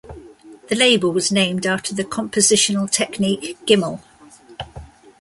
The label was named after the compositional technique gymel.